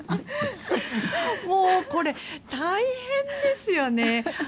もうこれ大変ですよね。